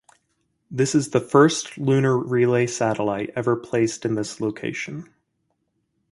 This is the first lunar relay satellite ever placed in this location.